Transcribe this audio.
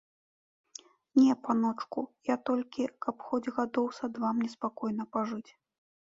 Не, паночку, я толькі, каб хоць гадоў са два мне спакойна пажыць.